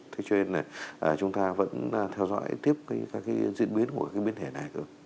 thế cho nên là chúng ta vẫn theo dõi tiếp các cái diễn biến của cái biến thể này cơ